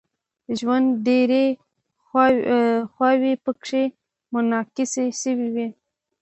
د ژوند ډیرې خواوې پکې منعکس شوې وي.